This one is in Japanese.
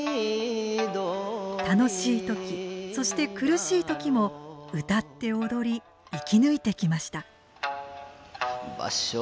楽しい時そして苦しい時も歌って踊り生き抜いてきました。